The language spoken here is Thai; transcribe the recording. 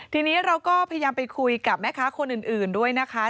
ทีนี้เราก็พยายามไปคุยกับแม่ค้าคนอื่นด้วยนะคะ